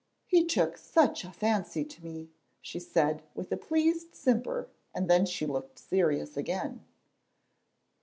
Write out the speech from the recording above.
"He took such a fancy to me," she said, with a pleased simper, and then she looked serious again.